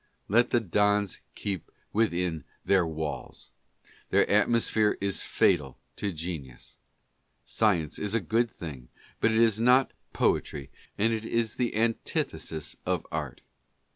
Let the dons then keep within their walls. Their at mosphere is fatal to genius. Science is a good thing, but it is not poetry and it is the antithesis of art.